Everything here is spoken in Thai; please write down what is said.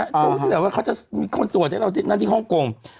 ตู้ที่เหลือว่าเขาจะมีคนตรวจให้เรานั่นที่ห้องกง